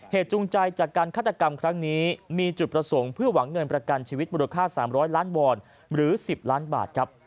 จูงใจจากการฆาตกรรมครั้งนี้มีจุดประสงค์เพื่อหวังเงินประกันชีวิตมูลค่า๓๐๐ล้านวอนหรือ๑๐ล้านบาทครับ